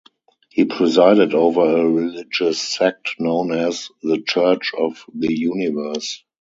He presided over a religious sect known as the Church of the Universe.